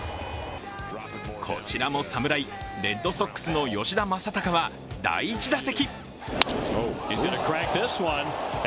こちらも侍、レッドソックスの吉田正尚は第１打席。